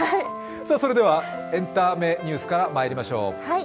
それではエンタメニュースからまいりましょう。